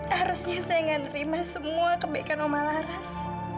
harusnya saya gak nerima semua kebaikan om alaras